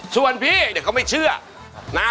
ส่วนพี่เดี๋ยวเขาไม่เชื่อนะ